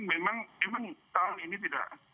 memang tahun ini tidak